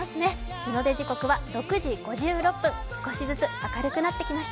日の出時刻は６時５６分、少しずつ明るくなってきました。